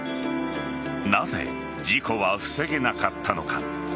なぜ事故は防げなかったのか。